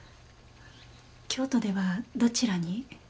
京都ではどちらに？